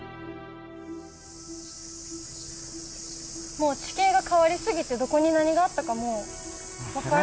もう地形が変わりすぎてどこに何があったかもう分からん？